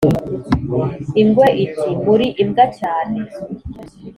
ingwe iti «muri imbwa cyane